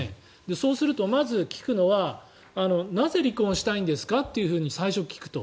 そうすると、まず聞くのはなぜ離婚したいんですかと最初、聞くと。